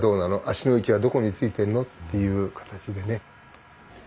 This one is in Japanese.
足の位置はどこについてるの？っていう形でね。